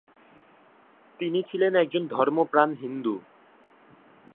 তিনি ছিলেন একজন ধর্মপ্রাণ হিন্দু।